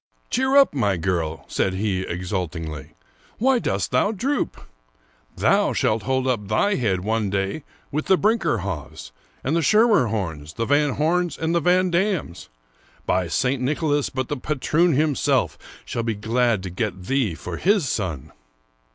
" Cheer up, my girl," said he exultingly ;'* why dost thou droop ? Thou shalt hold up thy head one day with the Brinckerhoffs, and the Schermerhorns, the Van Homes, and the Van Dams.^ By St. Nicholas, but the patroon himself shall be glad to get thee for his son